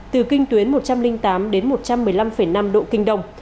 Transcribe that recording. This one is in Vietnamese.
từ kinh tuyến một trăm linh tám đến một trăm một mươi năm năm độ kinh đông